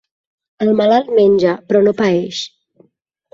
El malalt menja, però no paeix.